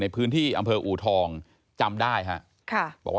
ในพื้นที่อำเภออูทองจำได้ฮะ